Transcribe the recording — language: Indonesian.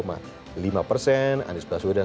lalu bagaimana dengan anies baswedan